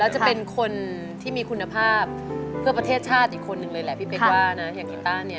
จะเป็นคนที่มีคุณภาพเพื่อประเทศชาติอีกคนนึงเลยแหละพี่เป๊กว่านะอย่างกีต้าเนี่ย